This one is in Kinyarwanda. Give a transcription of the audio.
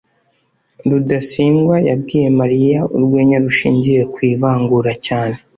rudasingwa yabwiye mariya urwenya rushingiye ku ivangura cyane